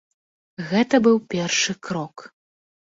Гэта быў першы крок.